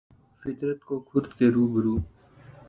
فطرت کو خرد کے روبرو